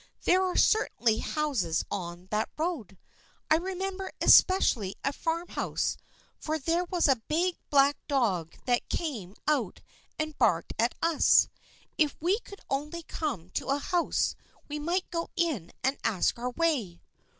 " There were certainly houses on that road. I remember especially a farmhouse, for there was a big black dog that came 122 THE FRIENDSHIP OF ANNE 123 out and barked at us. If we could only come to a house we might go in and ask our way."